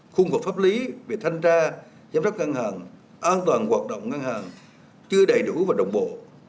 khung khổ pháp lý về thanh tra giám sát ngân hàng an toàn hoạt động ngân hàng chưa đầy đủ và đồng bộ